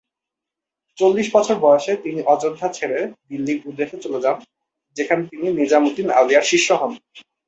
চল্লিশ বছর বয়সে তিনি অযোধ্যা ছেড়ে দিল্লীর উদ্দেশ্যে চলে যান, যেখানে তিনি নিজামুদ্দিন আউলিয়ার শিষ্য হন।